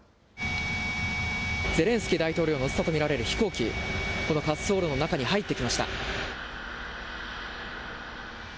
ゼレンスキー大統領を乗せたと見られる飛行機、この滑走路のそして。